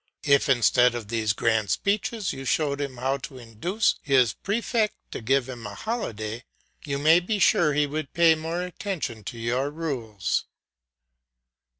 If instead of these grand speeches you showed him how to induce his prefect to give him a holiday, you may be sure he would pay more attention to your rules.